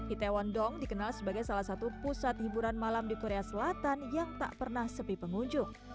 itaewon dong dikenal sebagai salah satu pusat hiburan malam di korea selatan yang tak pernah sepi pengunjung